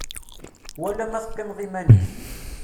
Wala ma teqqimeḍ iman-ik.